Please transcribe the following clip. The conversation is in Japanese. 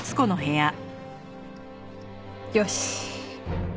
よし！